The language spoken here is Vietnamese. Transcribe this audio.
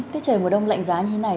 tết trời mùa đông lạnh giá như thế này